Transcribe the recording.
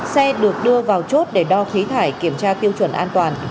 xe được đưa vào chốt để đo khí thải kiểm tra tiêu chuẩn an toàn